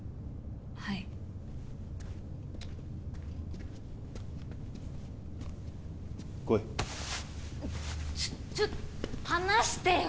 はい来いちょちょはなしてよ